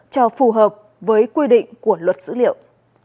cho phù hợp với quy định của luật dữ liệu